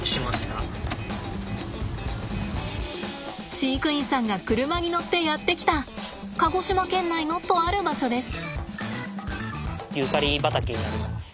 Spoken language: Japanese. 飼育員さんが車に乗ってやって来た鹿児島県内のとある場所です。